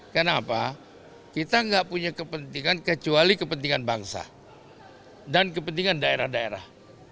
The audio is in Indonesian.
kenapa kita tidak punya kepentingan kecuali kepentingan bangsa dan kepentingan daerah daerah